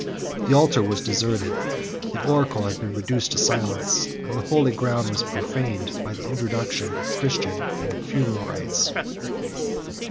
111 The altar was deserted, the oracle had been reduced to silence, and the holy ground was profaned by the introduction of Christian and funereal rites.